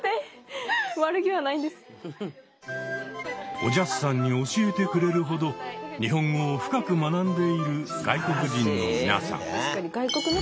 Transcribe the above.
おじゃすさんに教えてくれるほど日本語を深く学んでいる外国人の皆さん。